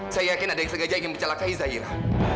saya yakin ada yang sengaja ingin mencelakai zairah